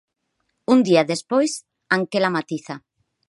Un día despois, Anquela matiza.